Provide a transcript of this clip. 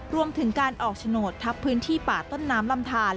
รวมถึงการออกโฉนดทับพื้นที่ป่าต้นน้ำลำทาน